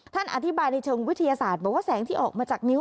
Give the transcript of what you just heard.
ท่านอธิบายในเชิงวิทยาศาสตร์บอกว่าแสงที่ออกมาจากนิ้ว